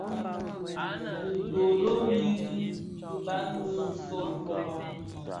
Dhi doodoo yi biban bin nso fōlō.